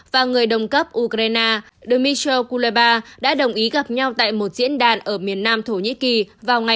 và người đồng cấp ukraine dmytro kuleba đã đồng ý gặp nhau tại một diễn đàn ở miền nam thổ nhĩ kỳ vào ngày một mươi ba